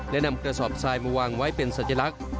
และนำกระสอบทรายมาวางไว้เป็นสัญลักษณ์